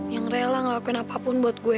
yang rela ngelakuin apapun buat gue